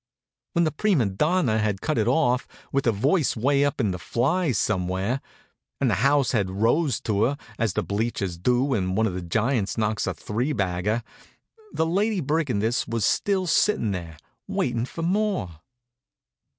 When the prima donna had cut it off, with her voice way up in the flies somewhere, and the house had rose to her, as the bleachers do when one of the Giants knocks a three bagger, the Lady Brigandess was still sittin' there, waitin' for more.